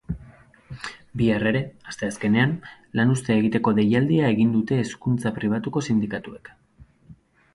Bihar ere, asteazkenean, lanuztea egiteko deialdia egin dute hezkuntza pribatuko sindikatuek.